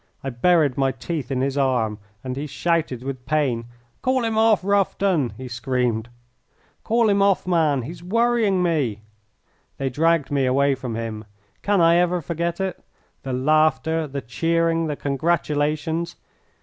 I buried my teeth in his arm, and he shouted with pain. "Call him off, Rufton!" he screamed. "Call him off, man! He's worrying me!" They dragged me away from him. Can I ever forget it? the laughter, the cheering, the congratulations!